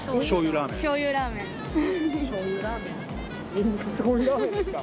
みんなしょう油ラーメンですか？